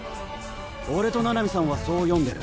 俺と七海さんはそう読んでる。